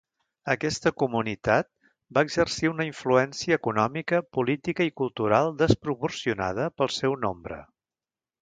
Aquesta comunitat va exercir una influència econòmica, política i cultural desproporcionada pel seu nombre.